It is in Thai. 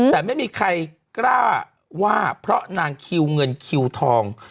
แต่ไม่มีใครกล้าว่าเพราะนางคิวเงินคิวทอง